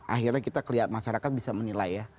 akhirnya kita kelihatan masyarakat bisa menilai ya